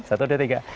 satu dua tiga